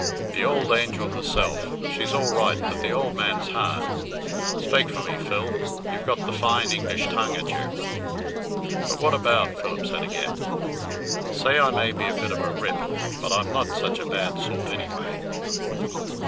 "The ould angel herself, she's all right, but the ould man's hard. Spake for me, Phil; you've got the fine English tongue at you." "But what about?" Philip said again. "Say I may be a bit of a rip, but I'm not such a bad sort anyway.